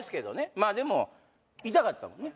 まあでも痛かったもんね？